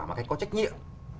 mà có trách nhiệm